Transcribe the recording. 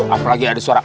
apalagi ada suara